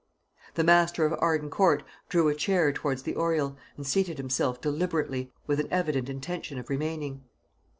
The master of Arden Court drew a chair towards the oriel, and seated himself deliberately, with an evident intention of remaining.